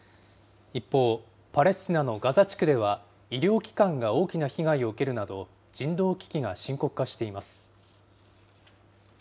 一方、パレスチナのガザ地区では、医療機関が大きな被害を受けるなど、人道危機が深刻化しています。